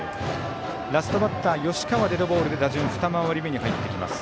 ラストバッター吉川がデッドボールで打順はふた回り目。